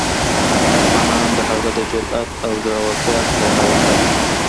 افغانان د هغه د جرئت او زړورتیا ستاینه وکړه.